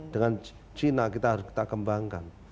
dengan china kita harus kita kembangkan